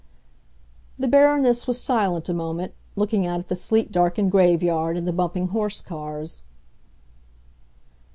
The Baroness was silent a moment, looking out at the sleet darkened grave yard and the bumping horse cars.